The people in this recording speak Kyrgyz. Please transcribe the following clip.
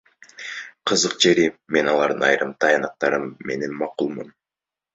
Кызык жери, мен алардын айрым тыянактары менен макулмун.